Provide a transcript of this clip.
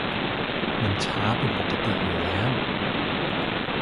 มันช้าเป็นปกติอยู่แล้ว